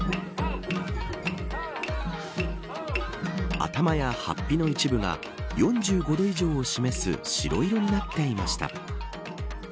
頭や法被の一部が４５度以上を示す白色になっていました。